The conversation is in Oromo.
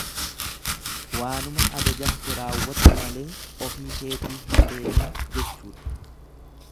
Waanuma ajajamte raawwadhu malee ofii keetiin hin deemiin jechuudha.